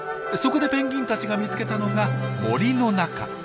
そこでペンギンたちが見つけたのが森の中。